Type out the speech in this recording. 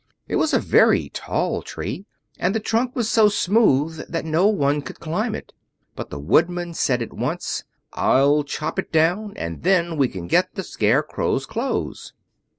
It was a very tall tree, and the trunk was so smooth that no one could climb it; but the Woodman said at once, "I'll chop it down, and then we can get the Scarecrow's clothes."